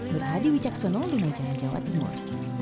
berhadi wicaksono dunia jawa timur